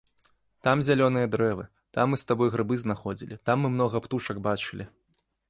Там зялёныя дрэвы, там мы з табой грыбы знаходзілі, там мы многа птушак бачылі.